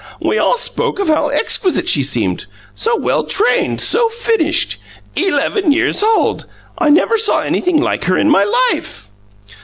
We all spoke of how exquisite she seemed so well trained, so finished! Eleven years old! I never saw anything like her in my life!"